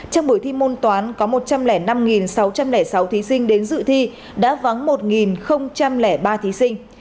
trong buổi thi môn toán có một trăm linh năm sáu trăm linh sáu thí sinh đến dự thi đã vắng một ba thí sinh